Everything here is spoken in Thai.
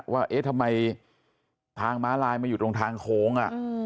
ว่าเอ๊ะทำไมทางม้าลายมาอยู่ตรงทางโค้ง